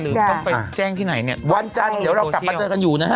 ต้องไปแจ้งที่ไหนเนี่ยวันจันทร์เดี๋ยวเรากลับมาเจอกันอยู่นะฮะ